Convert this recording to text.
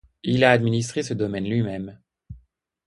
Il a administré ce domaine lui-même.